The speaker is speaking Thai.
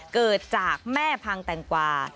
เกิดจากแม่พังแตงกวา